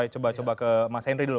coba coba ke mas henry dulu